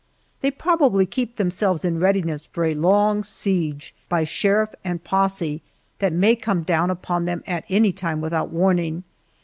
They probably keep themselves in readiness for a long siege by sheriff and posse that may come down upon them at any time without warning.